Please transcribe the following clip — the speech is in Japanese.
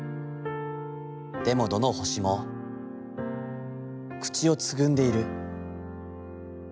でもどの星も、口をつぐんでいる。